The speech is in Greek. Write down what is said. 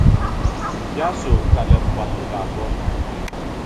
Γεια σου, καλέ μου Πανουργάκο!